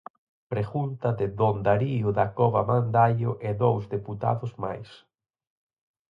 Pregunta de don Darío Dacova Mandaio e dous deputados máis.